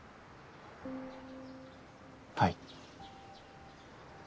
はい。